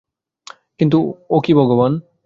কিন্তু ও কি ভাগ্যবান?